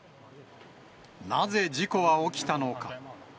なぜ、事故は起きたのか。